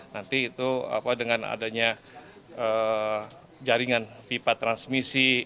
nanti itu dengan adanya jaringan pipa transmisi